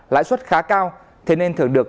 lãi suất khá cao thế nên thường được